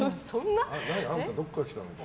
あんた、どっから来たの？って。